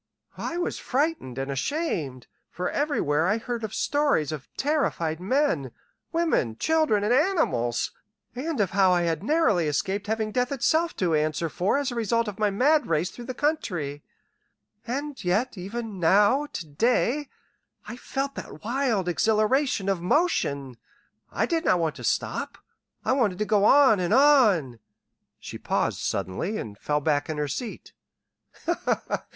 I was frightened and ashamed, for everywhere I heard of stories of terrified men, women, children, and animals, and of how I had narrowly escaped having death itself to answer for as a result of my mad race through the country. And yet even now to day, I felt that wild exhilaration of motion. I did not want to stop. I wanted to go on and on " She paused suddenly, and fell back in her seat.